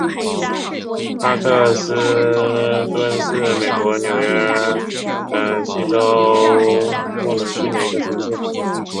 哈克特斯敦是美国纽泽西州沃伦郡的一个城市。